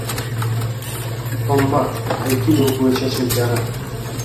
Kombat aykido bo‘yicha chempionat